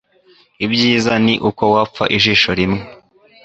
ibyiza ni uko wapfa ijisho rimwe